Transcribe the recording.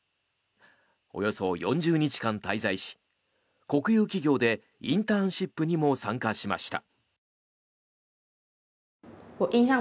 およそ４０日間滞在し国有企業でインターンシップにも参加しました。